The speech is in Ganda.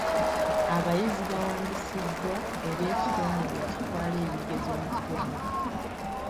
Abayizi baawandiisibwa eri ekitongole ekitwala ebigezo mu ggwanga.